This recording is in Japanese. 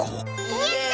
やった！